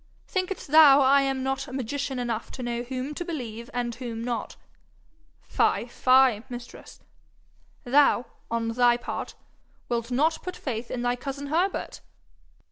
think'st thou I am not magician enough to know whom to believe and whom not? Fye, fye, mistress! Thou, on thy part, wilt not put faith in thy cousin Herbert!'